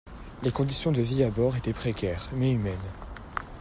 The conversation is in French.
les conditions de vie à bord étaient précaires, mais humaines.